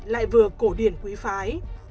lại vừa cổ điển quý phái